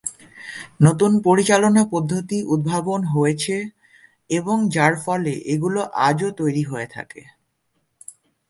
নতুন পরিচালনা পদ্ধতি উদ্ভাবন হয়েছে এবং যার ফলে এগুলো আজও তৈরি হয়ে থাকে।